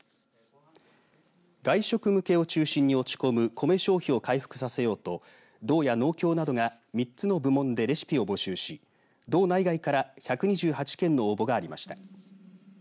外食向けを中心に落ち込むコメ消費を回復させようと道や農協などが３つの部門でレシピを募集し道内外から１２８件の応募がありました。